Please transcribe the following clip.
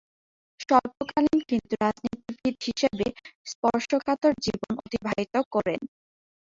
স্বল্পকালীন কিন্তু রাজনীতিবিদ হিসেবে স্পর্শকাতর জীবন অতিবাহিত করেন।